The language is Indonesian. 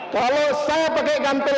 kalau saya pakai gambar